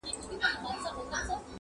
چي وهل یې د سیند غاړي ته زورونه!!